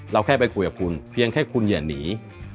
แค่ไปคุยกับคุณเพียงแค่คุณอย่าหนี